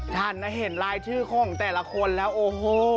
ท่านเห็นรายชื่อของแต่ละคนแล้วโอ้โห